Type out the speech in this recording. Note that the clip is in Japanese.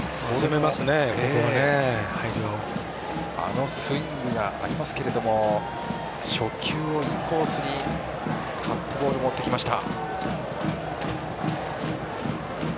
あのスイングがありますけども初球をインコースにカットボール、もってきました。